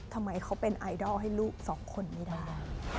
ทำไมเขาเป็นไอดอลให้ลูกสองคนไม่ได้